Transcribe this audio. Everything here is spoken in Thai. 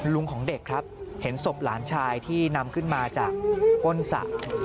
ของเด็กครับเห็นศพหลานชายที่นำขึ้นมาจากก้นสระ